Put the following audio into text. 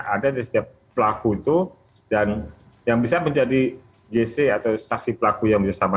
ada di setiap pelaku itu dan yang bisa menjadi jc atau saksi pelaku yang bisa sama